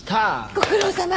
ご苦労さま。